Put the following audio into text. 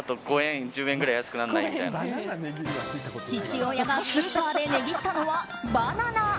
父親がスーパーで値切ったのはバナナ。